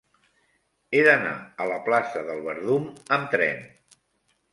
He d'anar a la plaça del Verdum amb tren.